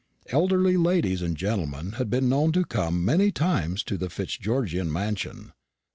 Elderly ladies and gentlemen had been known to come many times to the Fitzgeorgian mansion.